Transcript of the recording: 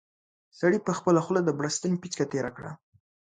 سړي په خپله خوله د بړستن پېڅکه تېره کړه.